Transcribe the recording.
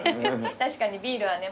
確かにビールはね。